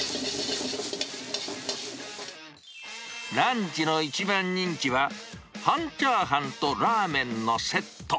ランチの一番人気は、半チャーハンとラーメンのセット。